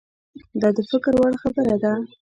دا د فکر وړ خبره ده.